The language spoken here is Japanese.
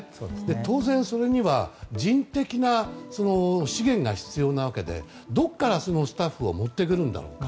当然、それには人的な資源が必要なわけでどこから、そのスタッフを持ってくるんだろうか。